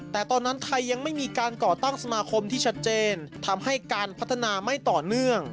แต่ตอนนั้นไทยยังไม่มีการก่อตั้งสมาคมที่ชัดเจนทำให้การพัฒนาไม่ต่อเนื่อง